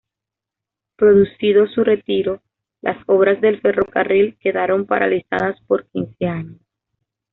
Producido su retiro, las obras del ferrocarril quedaron paralizadas por quince años.